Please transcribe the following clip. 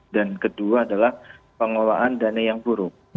dan kedua adalah pengelolaan dana yang buruk